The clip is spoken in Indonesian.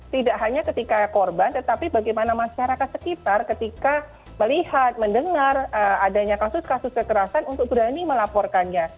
tidak hanya ketika korban tetapi bagaimana masyarakat sekitar ketika melihat mendengar adanya kasus kasus kekerasan untuk berani melaporkannya